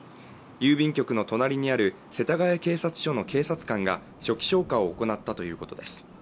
郵便局の隣にある世田谷警察署の警察官が初期消火を行ったということです